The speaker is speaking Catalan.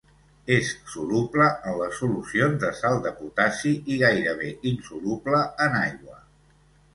És soluble en les solucions de sal de potassi i gairebé insoluble en aigua.